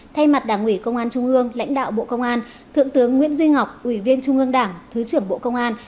thay mặt đảng ủy công an trung ương lãnh đạo bộ công an thượng tướng nguyễn duy ngọc ủy viên trung ương đảng thứ trưởng bộ công an